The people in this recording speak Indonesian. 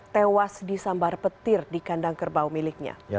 tewas disambar petir di kandang kerbau miliknya